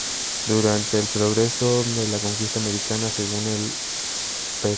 Durante el proceso de la conquista americana, según el Pbro.